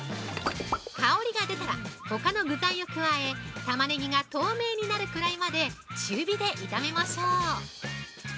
香りが出たら、ほかの具材を加え、タマネギが透明になるくらいまで中火で炒めましょう！